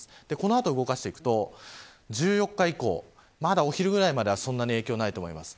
この後動かしてくと１４日以降まだお昼ぐらいまではそんなに影響がないと思います。